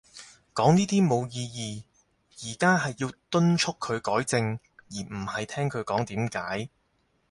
講呢啲冇意義。而家係要敦促佢改正，而唔係聽佢講點解